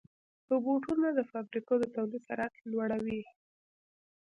روبوټونه د فابریکو د تولید سرعت لوړوي.